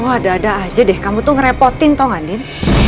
ada ada aja deh kamu tuh ngerepotin toh andin